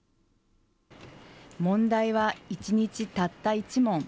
問題は１日たった１問。